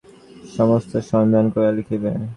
কি প্রকারে কাহাকে টাকা পাঠাইব, সমস্ত সন্ধান করিয়া লিখিবে।